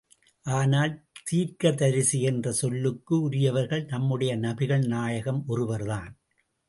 ஆனால் தீர்க்கதரிசி என்ற சொல்லுக்கு உரியவர்கள் நம்முடைய நபிகள் நாயகம் ஒருவர்தான்.